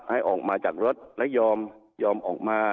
ให้ออกมาจากรถและยอมออกมา